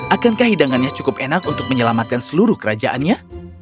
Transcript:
akankah hidangannya cukup enak untuk menyelamatkan seluruh kerajaannya